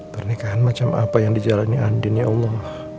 pernikahan macam apa yang dijalani andin ya allah